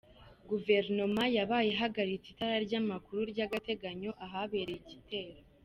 Guverinoma yabaye ihagaritse itara ry'amakuru ry'agateganyo ahabereye igitero.